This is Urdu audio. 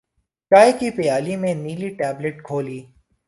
چائے کی پیالی میں نیلی ٹیبلٹ گھولی